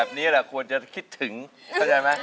อะไรไม่ใช่สิผมจะไม่ไห้